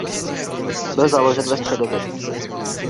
Byl založen ve středověku.